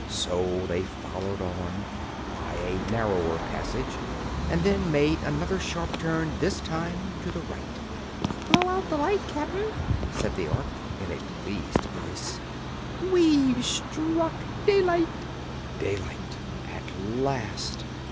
So they followed on, by a narrower passage, and then made another sharp turn this time to the right. "Blow out the light, Cap'n," said the Ork, in a pleased voice. "We've struck daylight." Daylight at last!